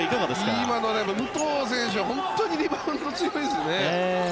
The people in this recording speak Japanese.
今の武藤選手は本当にリバウンドが強いですね。